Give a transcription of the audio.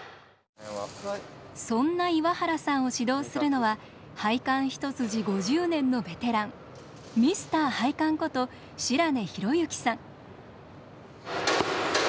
そんな岩原さんを指導するのは配管一筋５０年のベテランミスター配管こと白根廣行さん。